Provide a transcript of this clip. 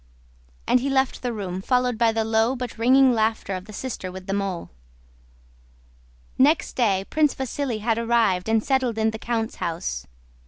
And he left the room, followed by the low but ringing laughter of the sister with the mole. Next day Prince Vasíli had arrived and settled in the count's house.